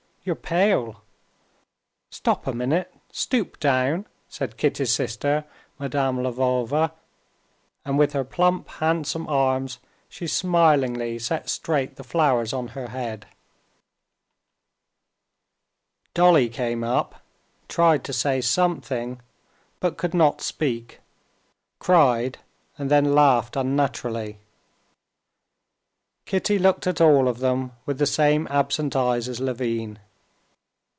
You're pale. Stop a minute, stoop down," said Kitty's sister, Madame Lvova, and with her plump, handsome arms she smilingly set straight the flowers on her head. Dolly came up, tried to say something, but could not speak, cried, and then laughed unnaturally. Kitty looked at all of them with the same absent eyes as Levin.